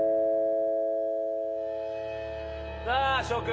さあ諸君。